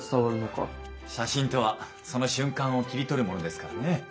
写真とはその瞬間を切り取るものですからね。